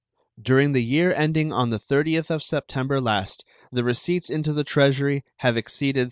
During the year ending on the 30th of September last the receipts into the Treasury have exceeded $37.